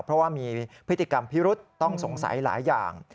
เพราะว่ามีพฤติกรรมพิรุษต้องสงสัยหลายอย่าง